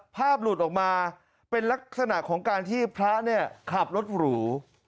ภาพหลุดออกมาเป็นลักษณะของการที่พระเนี่ยขับรถหรู